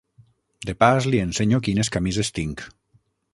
De pas li ensenyo quines camises tinc.